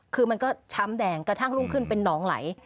คือมันก็ช้ำแดงกระทั่งรุ่งขึ้นเป็นหนองไหล